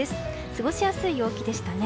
過ごしやすい陽気でしたね。